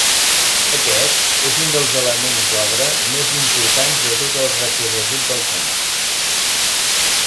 Aquest és un dels elements d'obra més importants de tot el recorregut del canal.